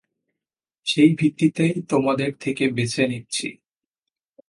সেই ভিত্তিতেই তোমাদের থেকে বেছে নিচ্ছি।